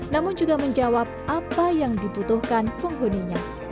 namun juga menjawab apa yang dibutuhkan penghuninya